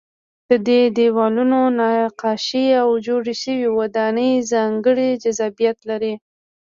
د دې دیوالونو نقاشۍ او جوړې شوې ودانۍ ځانګړی جذابیت لري.